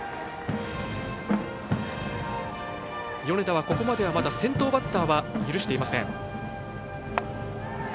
米田はここまではまだ先頭バッターは許していません。